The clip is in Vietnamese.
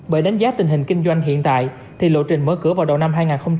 bởi đánh giá tình hình kinh doanh hiện tại thì lộ trình mở cửa vào đầu năm hai nghìn hai mươi